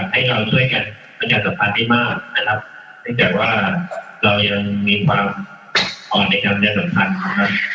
ให้เราช่วยกันมันก็จะสำคัญได้มากนะครับเนื่องจากว่าเรายังมีความอ่อนในการเป็นสำคัญนะครับ